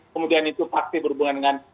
kemudian itu pasti berhubungan dengan